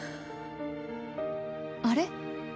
あれ？